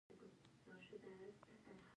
سیلابونه د افغانستان د سیاسي جغرافیه برخه ده.